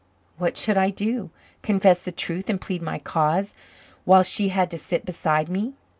What should I do? Confess the truth and plead my cause while she had to sit beside me?